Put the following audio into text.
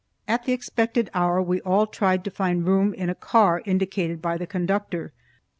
At the expected hour we all tried to find room in a car indicated by the conductor.